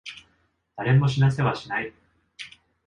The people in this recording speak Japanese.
誰も死なせはしない。